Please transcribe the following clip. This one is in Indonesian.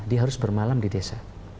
dia harus bermalam di desa